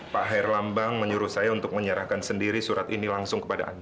pak herlambang menyuruh saya untuk menyerahkan sendiri surat ini langsung kepada anda